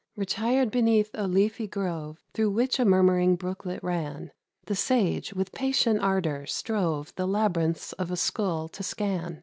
Retired beneath a leafy grove, Through which a murmuring brooklet ran, The sage, with patient ardour, strove The labyrinths of a skull to scan.